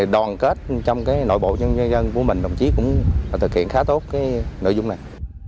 đoàn kết trong nội bộ nhân dân của mình đồng chí cũng thực hiện khá tốt nội dung này